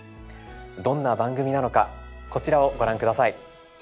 どんな番組なのかこちらをご覧下さい。